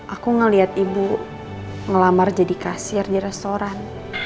aku ngeliat ibu ngelamar jadi kasir di restoran